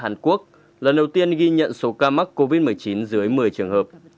hàn quốc lần đầu tiên ghi nhận số ca mắc covid một mươi chín dưới một mươi trường hợp